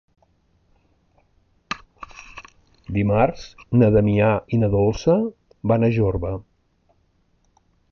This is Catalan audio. Dimarts na Damià i na Dolça van a Jorba.